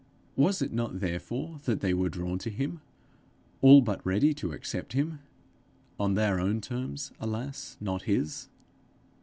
Was it not therefore that they were drawn to him all but ready to accept him? on their own terms, alas, not his!